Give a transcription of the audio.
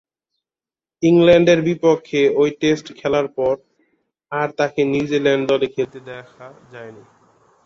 ইংল্যান্ডের বিপক্ষে ঐ টেস্ট খেলার পর আর তাকে নিউজিল্যান্ড দলে খেলতে দেখা যায়নি।